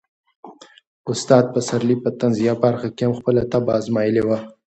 استاد پسرلي په طنزيه برخه کې هم خپله طبع ازمایلې وه.